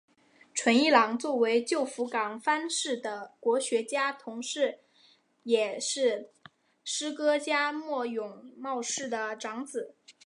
纯一郎作为旧福冈藩士的国学家同是也是诗歌家末永茂世的长子。